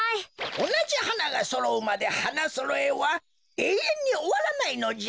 おなじはながそろうまで花そろえはえいえんにおわらないのじゃ。